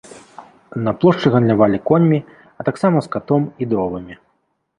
На плошчы гандлявалі коньмі, а таксама скатом і дровамі.